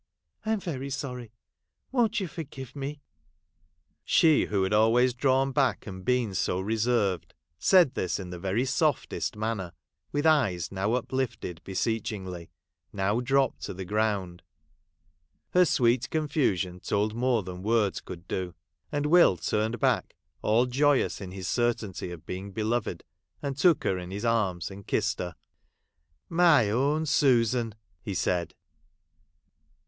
I am very sorry — won't you forgive me 1 ' She who had always drawn back, and been so reserved, said this in the very softest manner ; with eyes now uplifted beseechingly, now dropped to the ground. Her sweet con fusion told more than words could do ; and Will turned back, all joyous in his certainty of being beloved, and took her in his arms and kissed her. ' My own Susan !' he said.